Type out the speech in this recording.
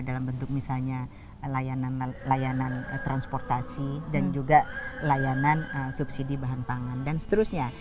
dalam bentuk misalnya layanan transportasi dan juga layanan subsidi bahan pangan dan seterusnya